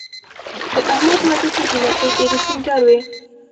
د احمد واده کې جینکۍ ډېرې سینګار وې.